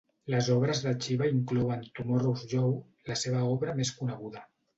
Les obres de Chiba inclouen "Tomorrow's Joe", la seva obra més coneguda.